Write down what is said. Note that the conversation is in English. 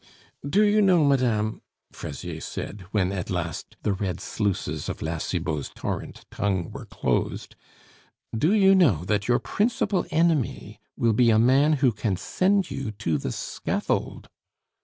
"Do you know, madame," Fraisier said, when at last the red sluices of La Cibot's torrent tongue were closed, "do you know that your principal enemy will be a man who can send you to the scaffold?"